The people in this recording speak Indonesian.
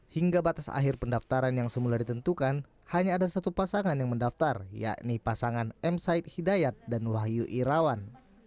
hingga batas akhir pendaftaran yang semula ditentukan hanya ada satu pasangan yang mendaftar yakni pasangan m said hidayat dan wahyu irawan